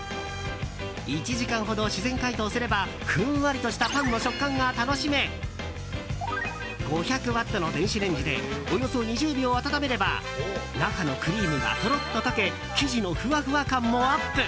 １時間ほど自然解凍すればふんわりとしたパンの食感が楽しめ５００ワットの電子レンジでおよそ２０秒温めれば中のクリームがとろっと溶け生地のふわふわ感もアップ。